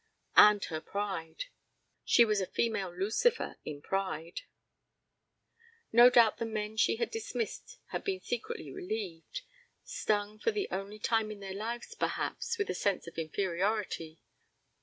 And her pride! She was a female Lucifer in pride. No doubt the men she had dismissed had been secretly relieved; stung for the only time in their lives perhaps, with a sense of inferiority.